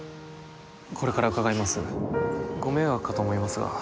これから伺いますご迷惑かと思いますが